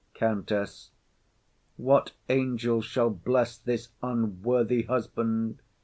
COUNTESS. What angel shall Bless this unworthy husband?